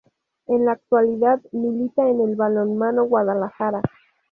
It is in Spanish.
En la actualidad milita en el Balonmano Guadalajara.